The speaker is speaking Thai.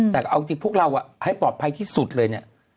แต่เอาจริงพวกเราให้ปลอดภัยที่สุดเลยเนี่ย